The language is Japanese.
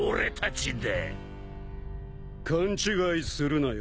勘違いするなよ